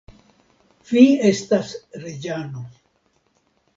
Vi estas reĝano.